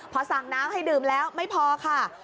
พอสั่งน้ำให้ดื่มแล้วไม่พอค่ะ